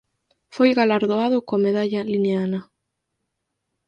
Foi galardoado coa a Medalla linneana.